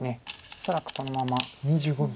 恐らくこのまま。